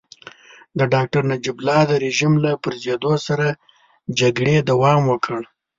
د ډاکټر نجیب الله د رژيم له پرزېدو سره جګړې دوام وکړ.